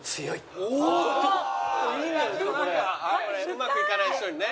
うまくいかない人にね。